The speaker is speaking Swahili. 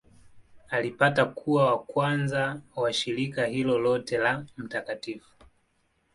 Alipata kuwa mkuu wa kwanza wa shirika hilo lote la Mt.